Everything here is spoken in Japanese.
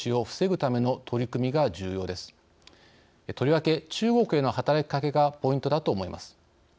とりわけ中国への働きかけがポイントだと思います。